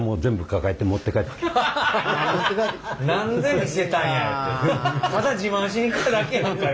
言うてただ自慢しに来ただけやんか！